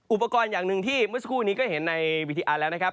อุปกรณ์อย่างหนึ่งที่เมื่อสักครู่นี้ก็เห็นในวีดีอาร์แล้วนะครับ